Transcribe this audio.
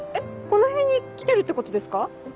この辺に来てるってことですか？